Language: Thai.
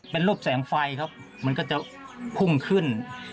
เป็นรูปแสงไฟครับมันก็จะพุ่งขึ้น